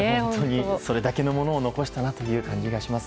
それだけのものを残したなという気がします。